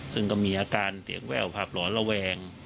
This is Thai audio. ซึ่งก็มีอาการเสียงแว่วภาพหลอนระแวง